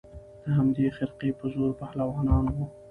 د همدې خرقې په زور پهلوانان وه